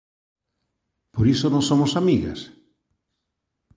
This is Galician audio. Por iso non somos amigas?